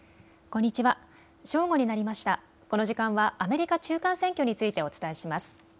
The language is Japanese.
この時間はアメリカ中間選挙についてお伝えします。